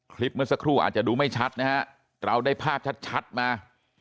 เมื่อสักครู่อาจจะดูไม่ชัดนะฮะเราได้ภาพชัดมา